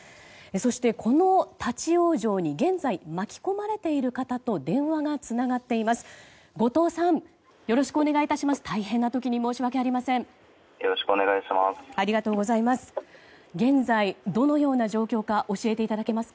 そして、この立ち往生に現在、巻き込まれている方と電話がつながっています。